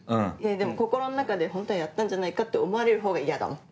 でも心の中で「ホントはやったんじゃないか」って思われるほうが嫌だもん。